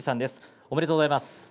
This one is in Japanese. ありがとうございます。